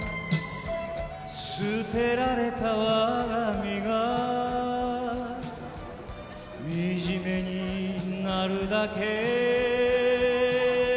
「捨てられた我身がみじめになるだけ」